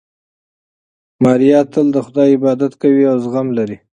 ماریا تل د خدای عبادت کوي او زغم لري.